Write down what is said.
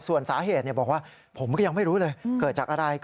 ส่วนสาเหตุบอกว่าผมก็ยังไม่รู้เลยเกิดจากอะไร